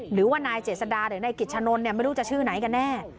หรือว่านายเจษดาหรือนายกิจชะนนทไม่รู้จะชื่อไหนกันแน่